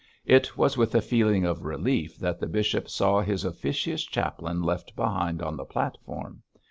It was with a feeling of relief that the bishop saw his officious chaplain left behind on the platform.